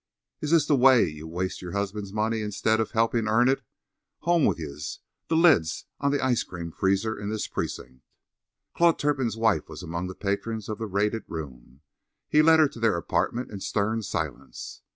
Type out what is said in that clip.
Is this the way ye waste your husbands' money instead of helping earn it? Home wid yez! The lid's on the ice cream freezer in this precinct." Claude Turpin's wife was among the patrons of the raided room. He led her to their apartment in stern silence.